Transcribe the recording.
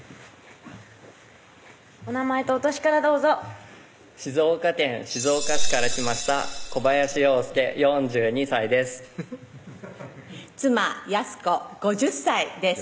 お名前とお歳からどうぞ静岡県静岡市から来ました小林洋介４２歳です妻・康子５０歳です